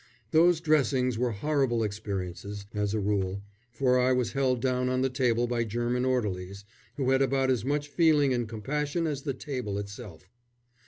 Those dressings were horrible experiences, as a rule, for I was held down on the table by German orderlies, who had about as much feeling and compassion as the table itself.